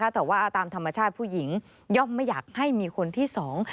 แต่ว่าตามธรรมชาติผู้หญิงย่อมไม่อยากให้มีคนที่สอง